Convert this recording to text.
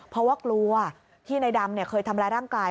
เพราะว่ากลัวที่นายดำเคยทำร้ายร่างกาย